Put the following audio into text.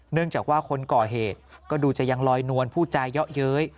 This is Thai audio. เนื่องจากว่าคนก่อเหตุก็ดูจะยังลอยนวลผู้จาเยาะเย้ย